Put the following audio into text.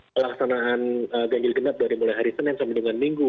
pelaksanaan ganjil genap dari mulai hari senin sampai dengan minggu